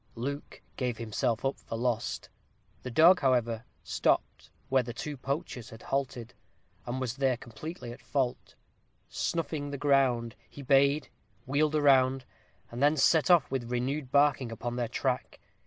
Luke gave himself up for lost. The dog, however, stopped where the two poachers had halted, and was there completely at fault: snuffing the ground, he bayed, wheeled round, and then set off with renewed barking upon their track.